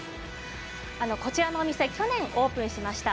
こちらのお店去年オープンしました。